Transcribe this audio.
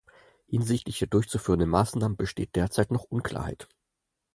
Hinsichtlich der durchzuführenden Maßnahmen besteht derzeit noch Unklarheit.